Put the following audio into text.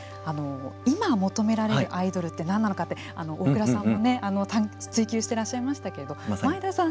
今、求められるアイドルって何なのかって大倉さんも追求していらっしゃいましたけれども前田さん